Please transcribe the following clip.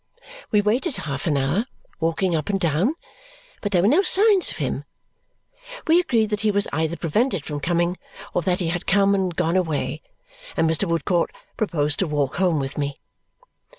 We waited half an hour, walking up and down, but there were no signs of him. We agreed that he was either prevented from coming or that he had come and gone away, and Mr. Woodcourt proposed to walk home with me.